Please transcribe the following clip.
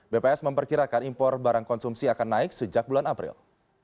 bps memperkirakan impor barang konsumsi akan naik sejak bulan april